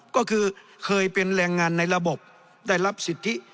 ก็คือเคยเป็นแรงงานในระบบได้รับสิทธิ